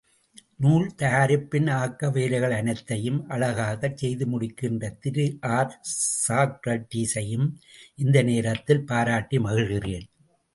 நூல் தயாரிப்பின் ஆக்க வேலைகள் அனைத்தையும் அழகாக செய்து முடிக்கின்ற திருஆர்.சாக்ரட்டீசையும் இந்த நேரத்தில் பாராட்டி மகிழ்கிறேன்.